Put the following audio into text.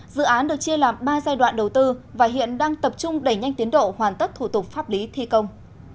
dự án được chia làm ba giai đoạn đầu tư và hiện đang tập trung đẩy nhanh tiến độ hoàn tất thủ tục pháp lý thi công